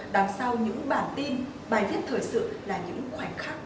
đằng sau những bản tin bài viết thời sự là những khoảnh khắc